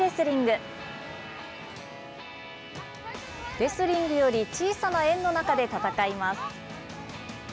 レスリングより小さな円の中で戦います。